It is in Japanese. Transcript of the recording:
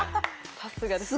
さすがです。